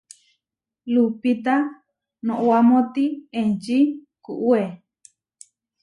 Lupita noʼwámoti enči kúʼwe.